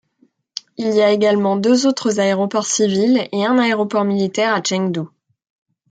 Il y a également deux autres aéroports civils et un aéroport militaire à Chengdu.